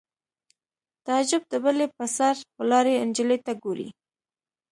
تعجب د بلۍ په سر ولاړې نجلۍ ته ګوري